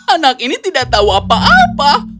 anak ini tidak tahu apa apa